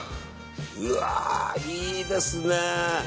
うわー、いいですね。